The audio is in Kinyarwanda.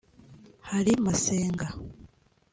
hari Masenga